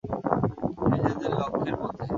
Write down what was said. নিজেদের লক্ষ্যের পথে।